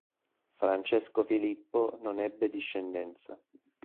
Francesco Filippo non ebbe discendenza.